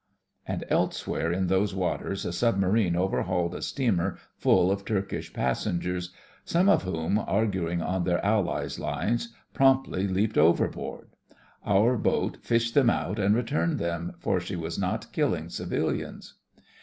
And elsewhere in those waters, a submarine overhauled a steamer full of Turkish passengers, some of whom, arguing on their allies' lines, promptly leaped overboard. Our boat fished them out and returned them, for she was not killing civilians.